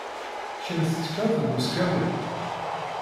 Kemm tettekkaḍ deg useqqamu?